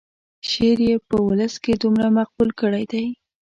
شعر یې په ولس کې دومره مقبول کړی دی.